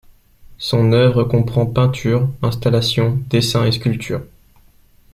Son œuvre comprend peinture, installations, dessins et sculptures.